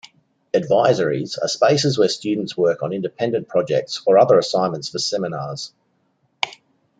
Advisories are spaces where students work on independent projects or other assignments for seminars.